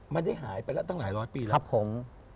มันได้หายไปแล้วตั้งหลายร้อยปีแล้วครับผม